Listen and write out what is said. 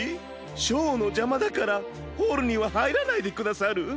ショーのじゃまだからホールにははいらないでくださる？